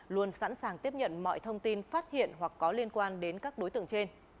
luôn sẵn sàng tiếp nhận mọi thông tin phát hiện hoặc có liên quan đến các đối tượng trên